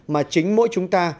mà chính mỗi chúng ta